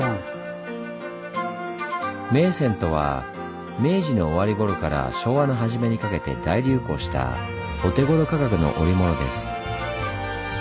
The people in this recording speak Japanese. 「銘仙」とは明治の終わり頃から昭和の初めにかけて大流行したお手ごろ価格の織物です。